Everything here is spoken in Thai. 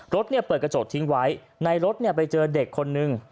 รถเนี่ยเปิดกระโจทย์ทิ้งไว้ในรถเนี่ยไปเจอเด็กคนนึง